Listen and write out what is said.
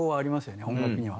音楽には。